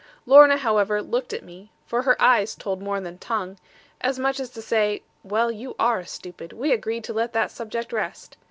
Lorna, however, looked at me for her eyes told more than tongue as much as to say, 'Well, you are a stupid. We agreed to let that subject rest.'